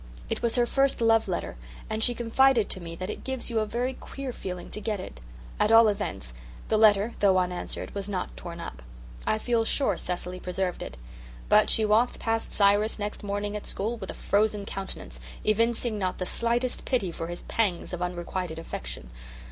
It was her first love letter and she confided to me that it gives you a very queer feeling to get it. At all events the letter, though unanswered, was not torn up. I feel sure Cecily preserved it. But she walked past Cyrus next morning at school with a frozen countenance, evincing not the slightest pity for his pangs of unrequited affection.